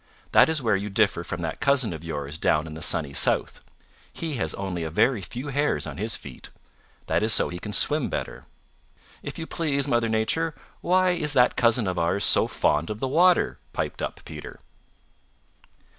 That is where you differ from that cousin of yours down in the Sunny South. He has only a very few hairs on his feet. That is so he can swim better." "If you please, Mother Nature, why is that cousin of ours so fond of the water?" piped up Peter.